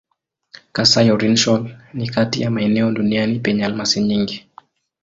Kasai-Oriental ni kati ya maeneo duniani penye almasi nyingi.